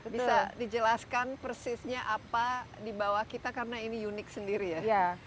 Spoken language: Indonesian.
bisa dijelaskan persisnya apa di bawah kita karena ini unik sendiri ya